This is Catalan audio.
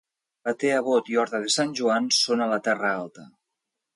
Batea, Bot i Horta de Sant Joan són a la Terra Alta.